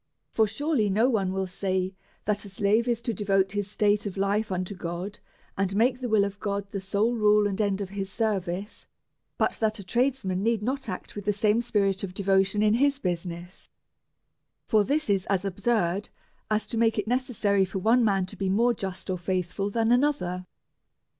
For surely no one will say that a slave is to devote his state of life unto God, and make the v\'ill of God the sole rule and end of his service, but that a tradesman need not act with the same spirit of devotion in his business ; for this is as absurd as to make it necessary for one man to be more just or faithful than another.